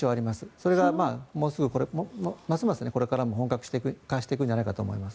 それがもうすぐますます本格化していくんじゃないかと思います。